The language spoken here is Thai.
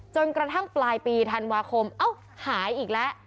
จนกระทั่งปลายปีธันวาคมเอ้าหายอีกแล้ว